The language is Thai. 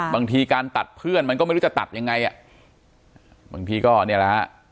บางทีการตัดเพื่อนมันก็ไม่รู้จะตัดยังไงอ่ะบางทีก็เนี่ยแหละฮะ